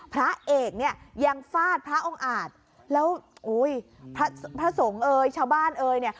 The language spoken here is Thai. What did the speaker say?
พระเอกเนี่ยยังฟาดพระองค์อาจแล้วอุ้ยพระพระสงฆ์เอ่ยชาวบ้านเอ่ยเนี่ย